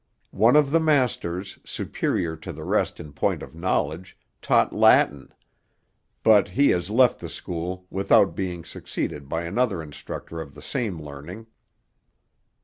One of the masters, superior to the rest in point of knowledge, taught Latin; but he has left the school, without being succeeded by another instructor of the same learning.'